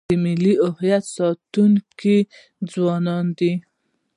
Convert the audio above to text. د ملت د هویت ساتونکي ځوانان دي.